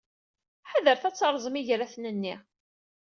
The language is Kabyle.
Ḥadret ad terrẓem igraten-nni.